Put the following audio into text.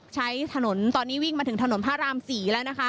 ใช้ถนนตอนนี้วิ่งมาถึงถนนพระราม๔แล้วนะคะ